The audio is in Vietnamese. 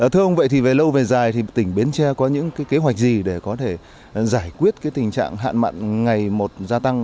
thưa ông vậy thì về lâu về dài thì tỉnh bến tre có những kế hoạch gì để có thể giải quyết tình trạng hạn mặn ngày một gia tăng